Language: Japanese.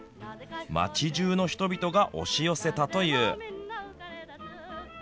町じゅうの人々が押し寄せたという。